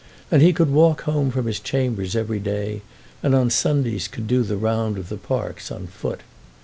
And he could walk home from his chambers every day, and on Sundays could do the round of the parks on foot.